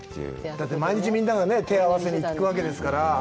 だって、毎日みんなが手を合わせに行くわけですから。